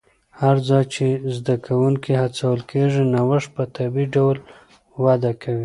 هر ځای چې زده کوونکي هڅول کېږي، نوښت په طبیعي ډول وده کوي.